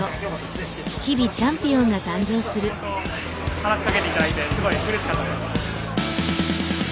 話しかけて頂いてすごいうれしかったです。